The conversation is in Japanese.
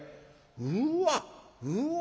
うわうわ